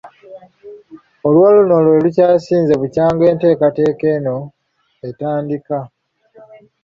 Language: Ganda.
Oluwalo luno lwe lukyasinze bukyanga enteekateeka eno etandika.